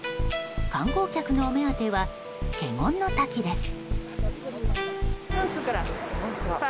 観光客のお目当ては華厳の滝です。